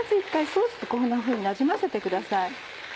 ソースとこんなふうになじませてください。